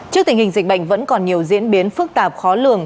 trước tình hình dịch bệnh vẫn còn nhiều diễn biến phức tạp khó lường